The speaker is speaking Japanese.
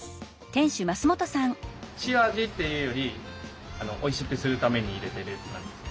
塩味っていうよりおいしくするために入れてるって感じ。